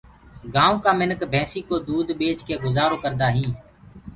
گآيونٚ ڪآ مِنک ڀيسينٚ ڪو دود ٻيچ ڪي گجآرو ڪردآ هينٚ۔